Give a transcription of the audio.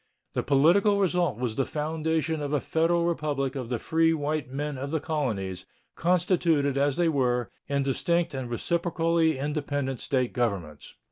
The political result was the foundation of a Federal Republic of the free white men of the colonies, constituted, as they were, in distinct and reciprocally independent State governments.